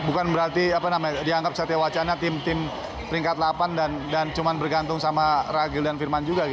bukan berarti dianggap satya wacana tim tim peringkat delapan dan cuma bergantung sama ragil dan firman juga